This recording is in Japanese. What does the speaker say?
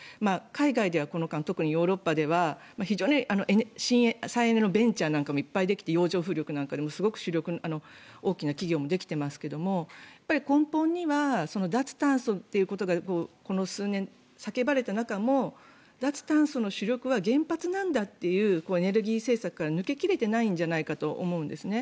海外ではこの間特にヨーロッパでは非常に再エネのベンチャーなんかもいっぱいできて洋上風力なんかでも大きな企業もできていますけど根本には脱炭素ということがこの数年、叫ばれた中も脱炭素の主力は原発なんだというエネルギー政策から抜け切れていないんじゃないかと思うんですね。